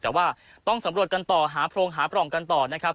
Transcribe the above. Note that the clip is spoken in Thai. แต่ว่าต้องสำรวจกันต่อหาโพรงหาปล่องกันต่อนะครับ